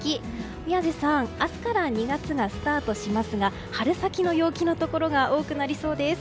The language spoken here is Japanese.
宮司さん、明日から２月がスタートしますが春先の陽気のところが多くなりそうです。